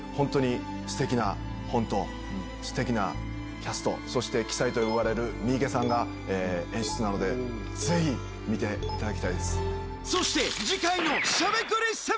ステキな本とステキなキャストそして鬼才と呼ばれる三池さんが演出なのでぜひ見ていただきたいです。